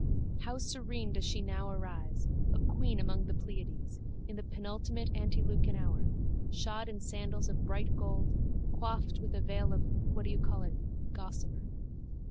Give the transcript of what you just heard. How serene does she now arise, a queen among the Pleiades, in the penultimate antelucan hour, shod in sandals of bright gold, coifed with a veil of what do you call it gossamer.